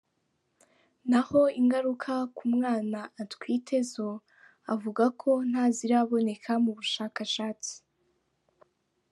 Naho ingaruka ku mwana atwite zo, avuga ko ntaziraboneka mu bushakashatsi.